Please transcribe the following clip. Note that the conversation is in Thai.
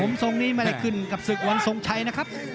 ผมทรงนี้ไม่ได้ขึ้นกับศึกวันทรงชัยนะครับ